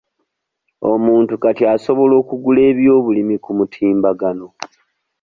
Omuntu kati asobola okugula ebyobulimi ku mutimbagano.